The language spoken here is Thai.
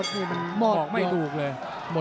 ฝ่ายทั้งเมืองนี้มันตีโต้หรืออีโต้